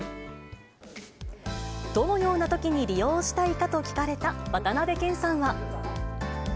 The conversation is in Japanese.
どのようなときに利用したいかと聞かれた渡辺謙さんは。